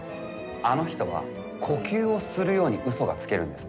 あの人は呼吸をするように嘘がつけるんです。